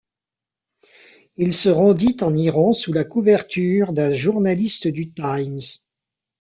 Il se rendit en Iran sous la couverture d'un journaliste du Times.